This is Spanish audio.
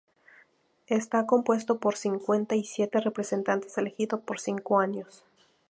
Está compuesto por cincuenta y siete representantes elegidos por cinco años.